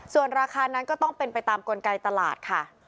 ส่วนราคานั้นก็ต้องเป็นไปตามกลไกตลาดค่ะ